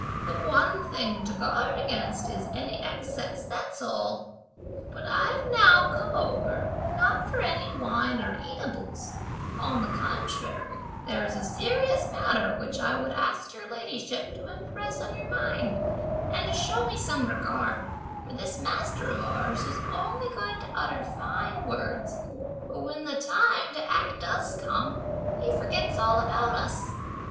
the one thing to guard against is any excess, that's all! But I've now come over, not for any wine or eatables; on the contrary, there's a serious matter, which I would ask your ladyship to impress on your mind, and to show me some regard, for this master of ours is only good to utter fine words, but when the time (to act) does come, he forgets all about us!